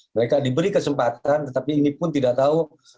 mereka diberi kesempatan tetapi ini pun tidak tahu